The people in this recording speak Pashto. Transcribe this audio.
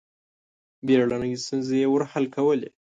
بېړنۍ ستونزې یې ور حل کولې.